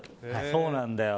そうなんだよ。